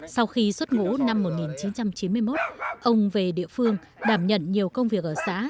sau khi xuất ngũ năm một nghìn chín trăm chín mươi một ông về địa phương đảm nhận nhiều công việc ở xã